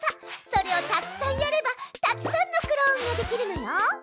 それをたくさんやればたくさんのクローンができるのよ。